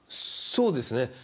そうですね。